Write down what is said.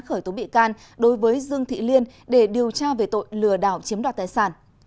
khởi tố bị can đối với dương thị liên để điều tra về tội lừa đảo chiếm đoạt tài sản